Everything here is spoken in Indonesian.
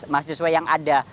mahasiswa yang ada